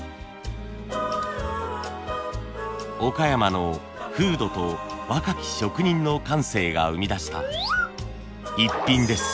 岡山の風土と若き職人の感性が生み出したイッピンです。